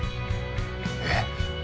えっ。